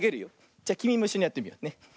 じゃきみもいっしょにやってみようね。